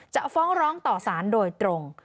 จะฟ้องร้องต่อสารโดยตรง